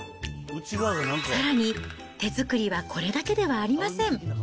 さらに、手作りはこれだけではありません。